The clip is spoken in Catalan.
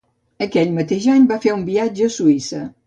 Aquell mateix any va fer un viatge a Suïssa.